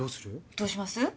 どうします？